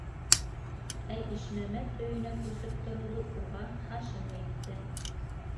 Ә Ишмәмәт өйөнә күсеп тороуҙы уға Хашим әйтте.